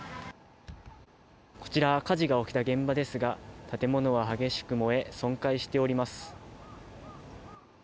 火事が起きた現場ですが建物は激しく燃え損壊しています。